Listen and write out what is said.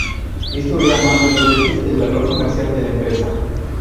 Esto era más de dos veces el valor comercial de la empresa.